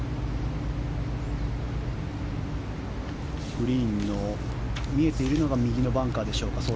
グリーンの見えているのが右のバンカーでしょうか。